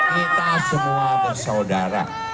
kita semua bersaudara